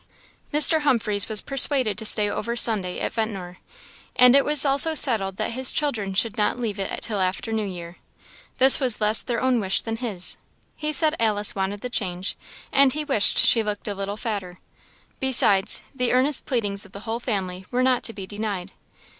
Mr. Humphreys was persuaded to stay over Sunday at Ventnor; and it was also settled that his children should not leave it till after New Year. This was less their own wish than his; he said Alice wanted the change, and he wished she looked a little fatter. Besides, the earnest pleadings of the whole family were not to be denied.